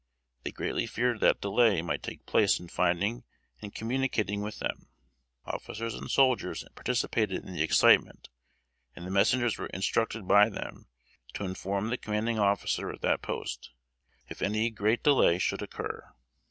They greatly feared that delay might take place in finding and communicating with them. Officers and soldiers participated in the excitement; and the messengers were instructed by them to inform the commanding officer at that post, if any great delay should occur.